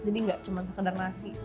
jadi gak cuma sekedar nasi